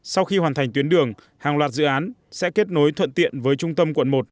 sau khi hoàn thành tuyến đường hàng loạt dự án sẽ kết nối thuận tiện với trung tâm quận một